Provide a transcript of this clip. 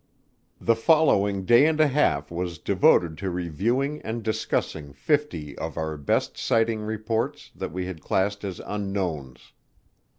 The following day and a half was devoted to reviewing and discussing fifty of our best sighting reports that we had classed as "Unknowns."